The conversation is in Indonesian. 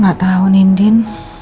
gak tahu nindin